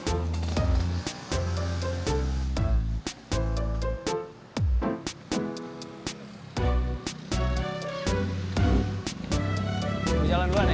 mau jalan gue nek